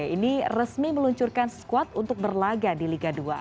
ini resmi meluncurkan squad untuk berlaga di liga dua